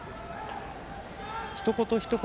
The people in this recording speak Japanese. ひと言ひと言